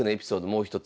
もう一つ。